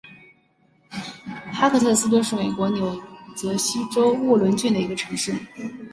哈克特斯敦是美国纽泽西州沃伦郡的一个城市。